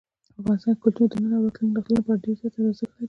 افغانستان کې کلتور د نن او راتلونکي نسلونو لپاره ډېر زیات ارزښت لري.